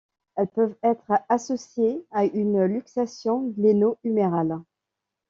Elles peuvent être associées à une luxation gléno-humérale.